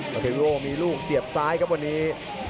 เททวิโวมีลูกเสียบซ้ายครับวันนี้